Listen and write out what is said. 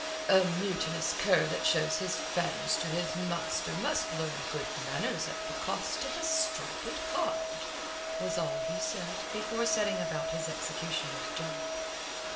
"A mutinous cur that shows his fangs to his master must learn good manners at the cost of a striped hide," was all he said before setting about his executioner's job.